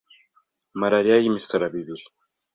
Malaria y'imisaraba ibiri